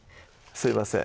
すいません